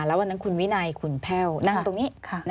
แล้ววันนั้นคุณวินัยขุนแพ่วนั่งตรงนี้